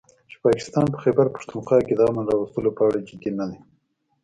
چې پاکستان په خيبرپښتونخوا کې د امن راوستلو په اړه جدي نه دی